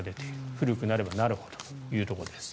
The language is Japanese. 古くなればなるほどというところです。